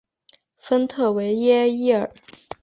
丰特维耶伊尔。